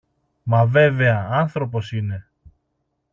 Μα βέβαια, άνθρωπος είναι!